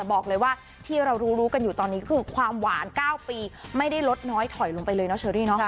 บอกเลยว่าที่เรารู้รู้กันอยู่ตอนนี้คือความหวาน๙ปีไม่ได้ลดน้อยถอยลงไปเลยเนาะเชอรี่เนาะ